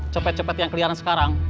copet copet yang keliaran sekarang